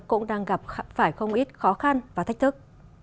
cũng đang gặp phải không ít khó khăn và thách thức